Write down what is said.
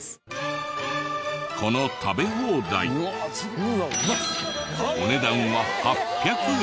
この食べ放題お値段は８００円。